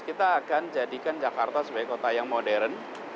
kita akan jadikan jakarta sebagai kota yang modern